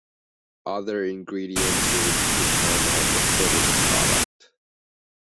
Other ingredients will depend on the finished product.